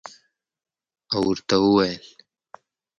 او ورته ووېل